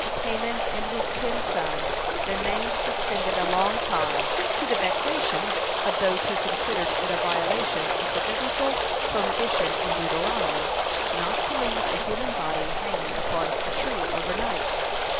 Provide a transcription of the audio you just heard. (185) Haman and his ten sons remained suspended a long time, to the vexation of those who considered it a violation of the Biblical prohibition in Deuteronomy, not to leave a human body hanging upon a tree overnight.